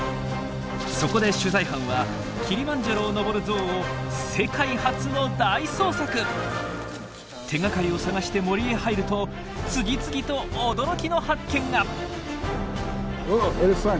そこで取材班はキリマンジャロを登るゾウを手がかりを探して森へ入ると次々と驚きの発見が！